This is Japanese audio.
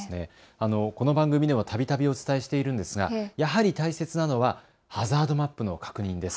この番組でもたびたびお伝えしているんですが、やはり大切なのはハザードマップの確認です。